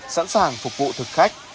sẵn sàng phục vụ thực khách